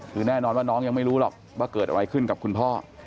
คือแน่นอนว่าน้องยังไม่รู้หรอกว่าเกิดอะไรขึ้นกับคุณพ่อ